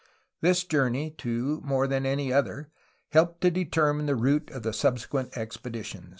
This journey, too, more than any other, helped to determine the route of the subsequent expedition.